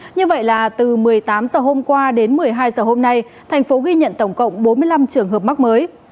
như vậy là từ một mươi tám h hôm qua đến một mươi hai h hôm nay thành phố ghi nhận tổng cộng bốn mươi năm trường hợp mắc mới